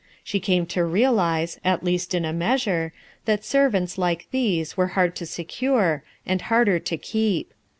She came to realize, at least in a measure, that servants like these were hard to secure, and harder to keep.